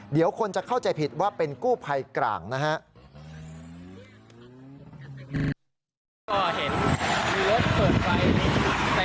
เดี๋ยวคนจะเข้าใจผิดว่าเป็นกู้ภัยกลางนะฮะ